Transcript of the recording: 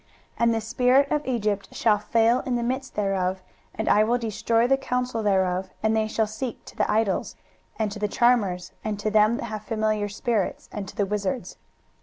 23:019:003 And the spirit of Egypt shall fail in the midst thereof; and I will destroy the counsel thereof: and they shall seek to the idols, and to the charmers, and to them that have familiar spirits, and to the wizards.